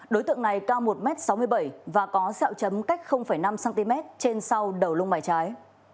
đối tượng này cao một m sáu mươi bảy và có sẹo chấm cách năm cm trên sau đầu lông mải trái